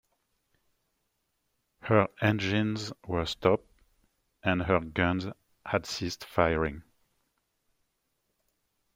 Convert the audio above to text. Her engines were stopped and her guns had ceased firing.